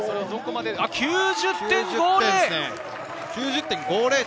９０．５０。